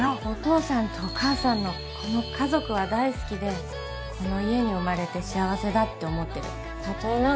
お父さんとお母さんのこの家族は大好きでこの家に生まれて幸せだって思ってるたとえ